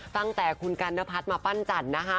ตั้งแต่คุณกัณพัฒน์มาปั้นจันทร์นะคะ